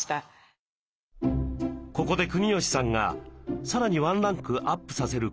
ここで国吉さんがさらにワンランクアップさせるコツをアドバイス。